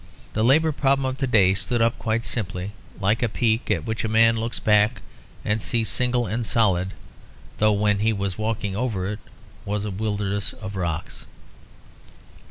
The Labour problem of to day stood up quite simply, like a peak at which a man looks back and sees single and solid, though when he was walking over it it was a wilderness of rocks.